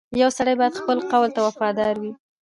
• یو سړی باید خپل قول ته وفادار وي.